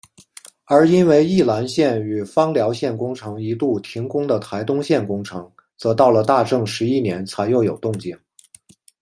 而因为宜兰线与枋寮线工程一度停工的台东线工程则到了大正十一年才又有动静。